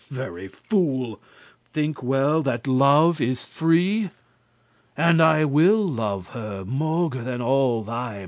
very fool, think well that love is free; And I will love her maugre* all thy might.